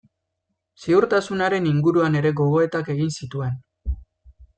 Ziurtasunaren inguruan ere gogoetak egin zituen.